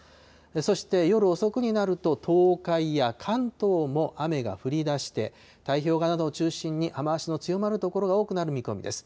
そして夜遅くになると、東海や関東も雨が降りだして、太平洋側などを中心に、雨足の強まる所が多くなる見込みです。